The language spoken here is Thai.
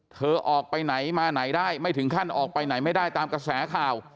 เธอออกไปไหนมาไหนได้ไม่ถึงขั้นออกไปไหนไม่ได้ตามกระแสข่าว